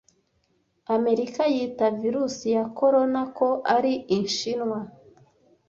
America yita virus ya Corona ko ari Inshinwa.